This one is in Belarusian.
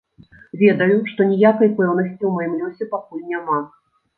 Ведаю, што ніякай пэўнасці ў маім лёсе пакуль няма.